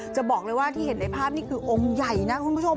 จะบอกเลยว่าที่เห็นในภาพนี่คือองค์ใหญ่นะคุณผู้ชม